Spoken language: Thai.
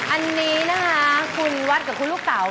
อันนี้นะคะคุณวัดกับคุณลูกเต๋า